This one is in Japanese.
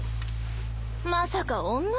まさか女？